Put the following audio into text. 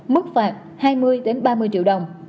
mức phạt hai mươi đến ba mươi triệu đồng